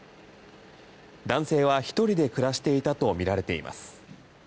男性は１人で暮らしていたとみられています。